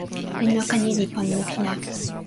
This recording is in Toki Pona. len noka ni li pona lukin a.